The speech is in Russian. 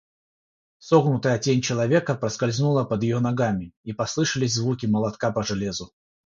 Согнутая тень человека проскользнула под ее ногами, и послышались звуки молотка по железу.